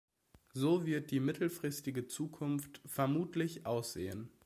So wird die mittelfristige Zukunft vermutlich aussehen.